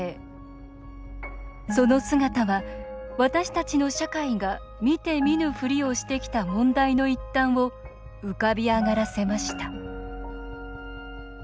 その姿は、私たちの社会が見て見ぬふりをしてきた問題の一端を浮かび上がらせました。